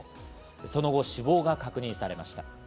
その後、死亡が確認されました。